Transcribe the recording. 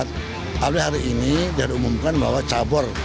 tapi hari ini dia diumumkan bahwa cabur